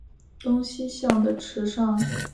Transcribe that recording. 东西向的池上通穿越町内。